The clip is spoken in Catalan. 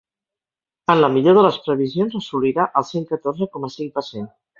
En la millor de les previsions assolirà el cent catorze coma cinc per cent.